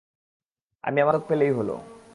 আমি আমার মাদক পেলেই হলো।